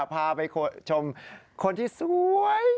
พาไปชมคนที่สวย